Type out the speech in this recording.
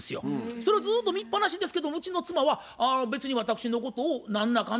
それをずっと見っぱなしですけどうちの妻は別に私のことを何だかんだ言いませんね。